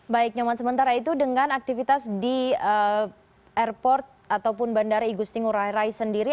baik nyoman sementara itu dengan aktivitas di airport ataupun bandara igusti ngurah rai sendiri